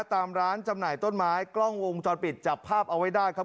ตามร้านจำหน่ายต้นไม้กล้องวงจรปิดจับภาพเอาไว้ได้ครับ